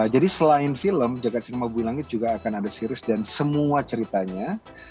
jadi selain film jagad cinema bumi langit juga akan ada series dan semua ceritanya